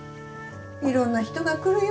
いろんな人が来るよ